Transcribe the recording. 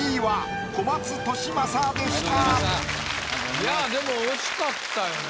いやでも惜しかったよね